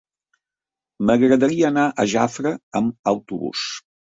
M'agradaria anar a Jafre amb autobús.